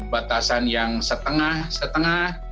batasan yang setengah setengah